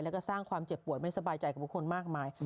แล้วก็สร้างความเจ็บปวดไม่สบายใจกับบุคคลมากมาย